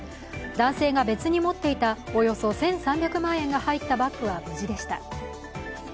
男性が別に持っていたおよそ１３００万円が入ったバッグは無事でした。